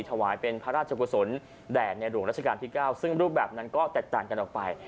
ถวายเป็นพระราชกุศลแด่ในหลวงราชการที่๙ซึ่งรูปแบบนั้นก็แตกต่างกันออกไป